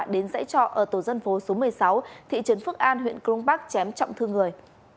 đến dãy trọ ở tổ dân phố số một mươi sáu thị trấn phước an huyện crong park chém trọng thương người